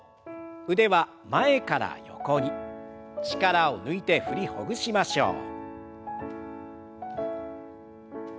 腕は前から横に力を抜いて振りほぐしましょう。